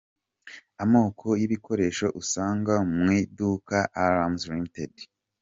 Amoko y’ibikoresho usanga mu iduka Alarms ltd.